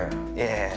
ええ。